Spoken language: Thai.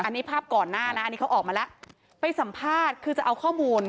อันนี้ภาพก่อนหน้านะอันนี้เขาออกมาแล้วไปสัมภาษณ์คือจะเอาข้อมูล